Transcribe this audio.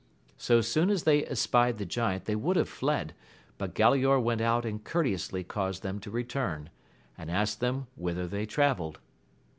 So soon as they espied the giant they would have fled, but Galaor went out an<i courteously caused them to return, and asked them whither they travelled.